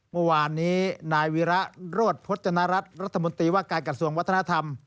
เมื่อวานนี้นายวิระโรธพจนรัฐรัฐรัฐมนตรีว่าการกระทรวงวัฒนธรรม